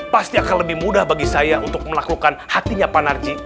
pasti akan lebih mudah bagi saya untuk melakukan hatinya panarji